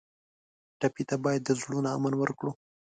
ټپي ته باید د زړونو امن ورکړو.